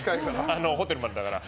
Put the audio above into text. ホテルまでだから。